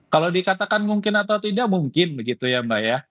kalau dikatakan mungkin atau tidak mungkin begitu ya mbak ya